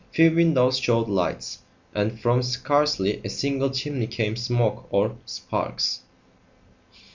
Few windows showed lights, and from scarcely a single chimney came smoke or sparks.